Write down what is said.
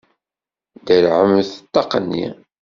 Derrɛemt ṭṭaq-nni!